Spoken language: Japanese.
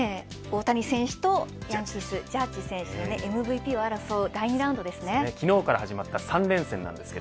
大谷選手とジャッジ選手ＭＶＰを争う第２ラウンドですね。